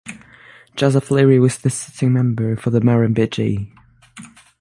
Joseph Leary was the sitting member for The Murrumbidgee.